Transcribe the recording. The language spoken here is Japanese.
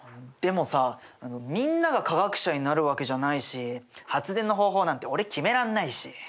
でもさみんなが科学者になるわけじゃないし発電の方法なんて俺決めらんないし。